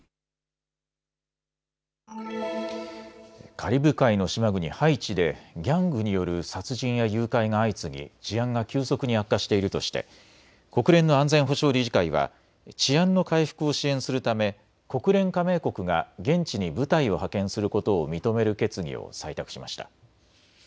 カリブ海の島国ハイチでギャングによる殺人や誘拐が相次ぎ治安が急速に悪化しているとして国連の安全保障理事会は治安の回復を支援するため国連加盟国が現地に部隊を派遣することを認める決議を採択しました。